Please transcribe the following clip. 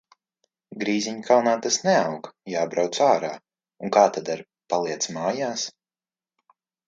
Grīziņkalnā tas neaug, jābrauc ārā - un kā tad ar paliec mājās?